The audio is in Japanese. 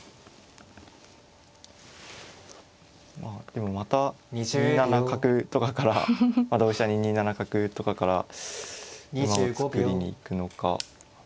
まあでもまた２七角とかから同飛車に２七角とかから馬を作りにいくのか。